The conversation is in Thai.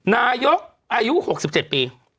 นายกอายุ๖๗ปี